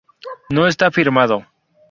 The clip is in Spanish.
No está firmado.